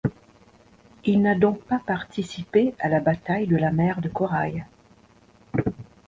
Il n'a donc pas participé à la bataille de la Mer de Corail.